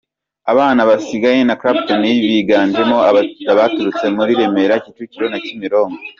Abana basangiye na Clapton, biganjemo abaturutse muri Remera, Kicukiro na Kimironko.